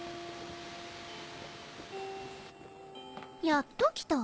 やっと来た。